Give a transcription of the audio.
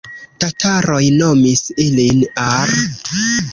Tataroj nomis ilin Ar.